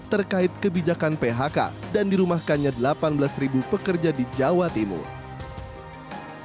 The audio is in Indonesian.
terkait kebijakan phk dan dirumahkannya delapan belas pekerja di jawa timur